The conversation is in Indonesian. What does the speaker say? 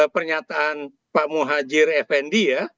pernyataan pak muhajir effendi ya